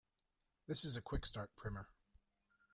This is a quick start primer.